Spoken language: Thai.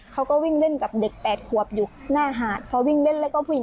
เขาก็วิ่งเล่นกับเด็ก๘ขวบอยู่หน้าหาดพอวิ่งเล่นแล้วก็ผู้หญิง